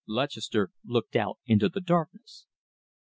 Lutchester looked out into the darkness.